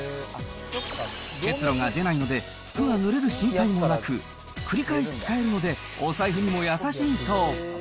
結露が出ないので、服がぬれる心配もなく、繰り返し使えるのでお財布にも優しいそう。